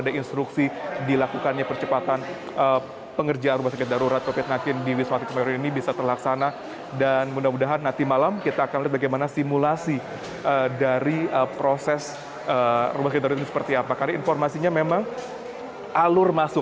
baik dari bagaimana